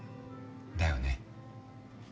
だよね。